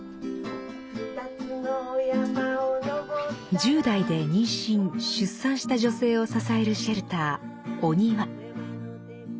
１０代で妊娠・出産した女性を支えるシェルターおにわ。